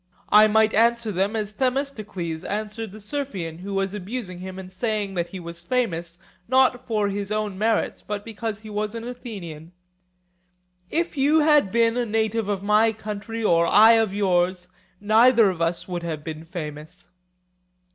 I might answer them as Themistocles answered the Seriphian who was abusing him and saying that he was famous, not for his own merits but because he was an Athenian: 'If you had been a native of my country or I of yours, neither of us would have been famous.